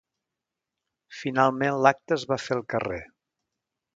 Finalment, l’acte es va fer al carrer.